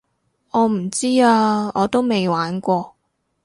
我唔知啊我都未玩過